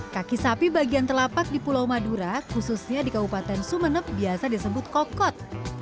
kaki sapi bagian telapak di pulau madura khususnya di kabupaten sumeneb biasa disebut kokot